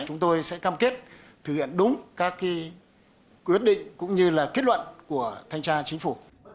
chúng tôi sẽ cam kết thực hiện đúng các quyết định cũng như là kết luận của thanh tra chính phủ